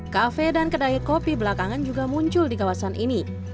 kafe dan kedai kopi belakangan juga muncul di kawasan ini